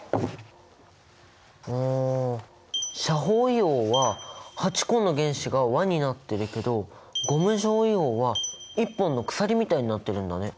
あ斜方硫黄は８個の原子が輪になってるけどゴム状硫黄は１本の鎖みたいになってるんだね。